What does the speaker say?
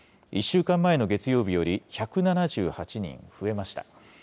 １週間前の月曜日より１７８人増えました。